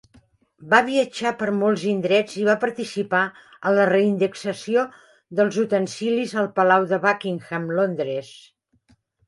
Va viatjar per molts indrets i va participar en la reindexació dels utensilis al palau de Buckingham, Londres.